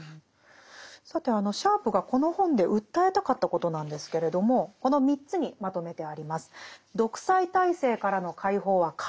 さてシャープがこの本で訴えたかったことなんですけれどもこの３つにまとめてあります。